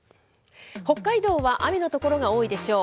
北海道は雨の所が多いでしょう。